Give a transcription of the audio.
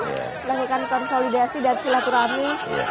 melakukan konsolidasi dan silaturahmi